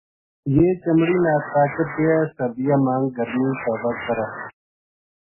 یہ چمڑی نا طاقت دیئے سردیاں ما گرمی پیدا کرے